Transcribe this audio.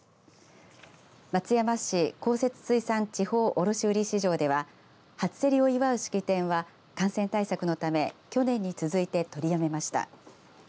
松山市公設水産地方卸売市場では初競りを祝う式典は感染対策のため去年に続いて取りやめました。